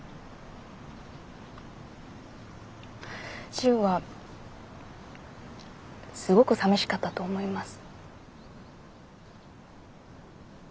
ジウはすごくさみしかったと思います。